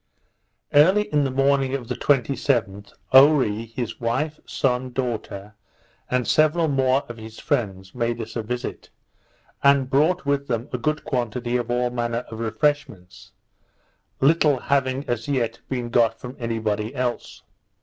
Early in the morning of the 27th, Oree, his wife, son, daughter, and several more of his friends, made us a visit, and brought with them a good quantity of all manner of refreshments; little having as yet been got from any body else.